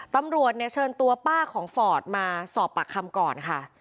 ตำรวจเนี่ยเชิญตัวป้าของฟอร์ดมาสอบปากคำก่อนค่ะ